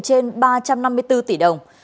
trên ba trăm năm mươi bốn tỷ đồng